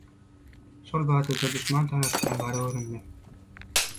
Şol bada-da duşman tarapdan gara göründi.